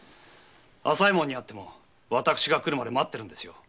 朝右衛門に会っても私が来るまで待ってるんですよ。